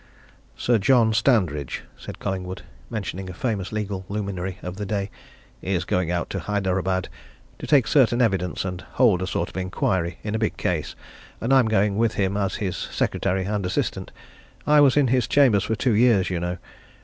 "Sir John Standridge," said Collingwood, mentioning a famous legal luminary of the day, "is going out to Hyderabad to take certain evidence, and hold a sort of inquiry, in a big case, and I'm going with him as his secretary and assistant I was in his chambers for two years, you know.